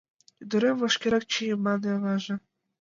— Ӱдырем, вашкерак чие, — мане аваже.